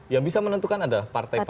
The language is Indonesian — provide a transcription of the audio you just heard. yang bisa menentukan adalah partai partai